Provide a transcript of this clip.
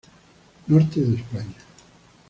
Norte de España.